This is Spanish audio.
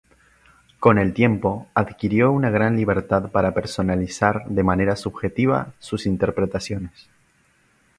Con el tiempo adquirió una gran libertad para personalizar de manera subjetiva sus interpretaciones.